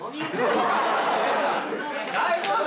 大丈夫？